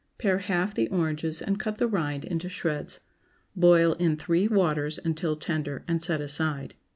Pare half the oranges and cut the rind into shreds. Boil in three waters until tender, and set aside.